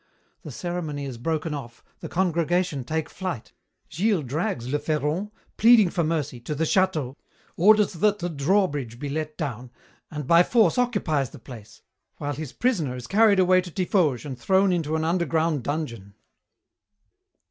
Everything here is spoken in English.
The ceremony is broken off, the congregation take flight. Gilles drags le Ferron, pleading for mercy, to the château, orders that the drawbridge be let down, and by force occupies the place, while his prisoner is carried away to Tiffauges and thrown into an underground dungeon.